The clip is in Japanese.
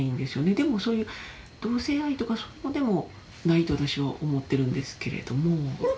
でもそういう同性愛とかそうでもないと私は思ってるんですけれども。